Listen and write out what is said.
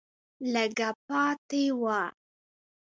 لږه پاتې وه